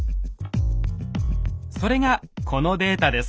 それがこのデータです。